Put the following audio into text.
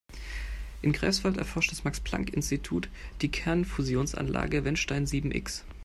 In Greifswald erforscht das Max-Planck-Institut die Kernfusionsanlage Wendelstein sieben-X.